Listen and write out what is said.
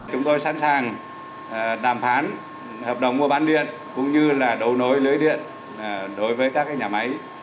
chúng tôi sẵn sàng đàm phán hợp đồng mua bán điện cũng như là đấu nối lưới điện đối với các nhà máy